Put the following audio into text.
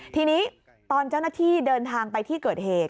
ทีนี้ตอนเจ้าหน้าที่เดินทางไปที่เกิดเหตุ